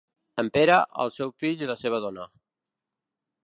En Pere, el seu fill i la seva dona.